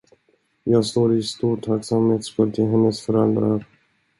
Jag står i stor tacksamhetsskuld till hennes föräldrar.